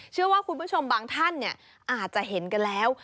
เชื่อว่าคุณผู้ชมบางท่านอาจจะเห็นกันแล้ว